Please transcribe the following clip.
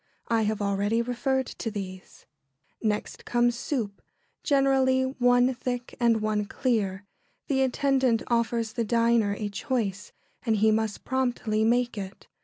I have already referred to these. [Sidenote: Soup.] Next comes soup, generally one thick and one clear. The attendant offers the diner a choice, and he must promptly make it.